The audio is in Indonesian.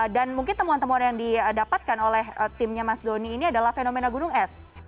dan mungkin temuan temuan yang didapatkan oleh timnya mas doni ini adalah fenomena gunung es